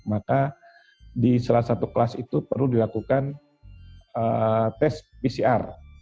maka di salah satu kelas itu perlu dilakukan tes pcr